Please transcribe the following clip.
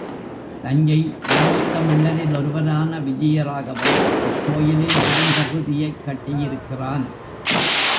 தஞ்சை நாயக்க மன்னரில் ஒருவரான விஜயராகவன் இக்கோயிலின் பெரும்பகுதியைக் கட்டியிருக்கிறான்.